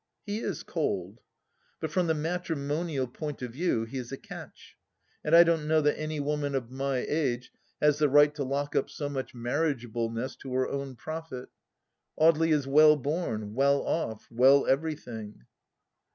He is cold. But from the matrimonial point of view he is a catch, and I don't know that any woman of my age has the right to lock up so much marriageableness to her own profit. Audely is well born, well off, well every thing